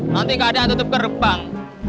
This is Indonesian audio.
nanti keadaan tutup gerbang